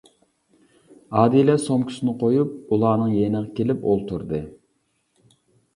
ئادىلە سومكىسىنى قويۇپ، ئۇلارنىڭ يېنىغا كېلىپ ئولتۇردى.